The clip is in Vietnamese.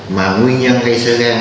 mà nguyên nhân gây sơ gan